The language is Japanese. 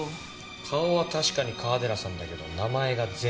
顔は確かに川寺さんだけど名前が全然違う。